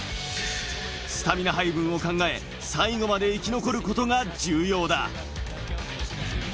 スタミナ配分を考え、最後まで生き残ることが重要だ。